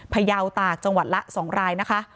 พยาวตากจังหวัดละ๒รายนะคะ